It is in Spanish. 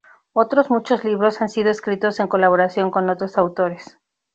Otros muchos libros han sido escritos en colaboración con otros autores.